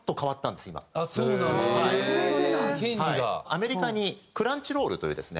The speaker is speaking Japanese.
アメリカにクランチロールというですね